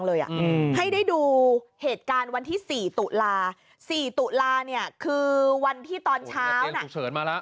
เลยอ่ะอืมให้ได้ดูเหตุการณ์วันที่๔ตุลา๔ตุลาเนี่ยคือวันที่ตอนเช้าน่ะฉุกเฉินมาแล้ว